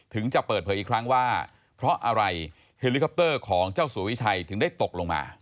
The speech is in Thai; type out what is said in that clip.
จะเปิดเผยอีกครั้งว่าเพราะอะไรเฮลิคอปเตอร์ของเจ้าสัววิชัยถึงได้ตกลงมา